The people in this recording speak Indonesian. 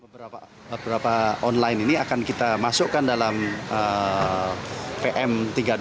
beberapa online ini akan kita masukkan dalam pm tiga puluh dua